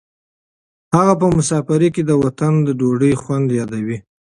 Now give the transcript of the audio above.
هغه په مسافرۍ کې د وطن د ډوډۍ خوند یادوي.